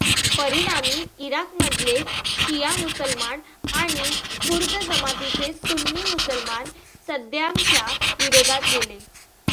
परिणामी इराकमधले शिया मुसलमान आणि कुर्द जमातीचे सुन्नी मुसलमान सद्दामच्या विरोधात गेले.